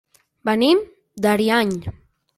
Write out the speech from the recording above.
Venim d'Ariany.